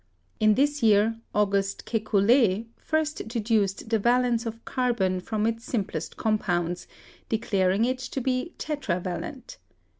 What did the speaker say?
In this year August Kekule first deduced the valence of carbon from its simplest compounds, declaring it to be tetravalent.